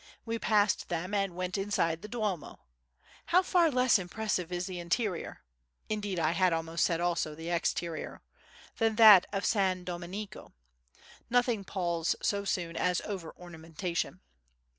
We passed them and went inside the duomo. How far less impressive is the interior (indeed I had almost said also the exterior) than that of San Domenico! Nothing palls so soon as over ornamentation.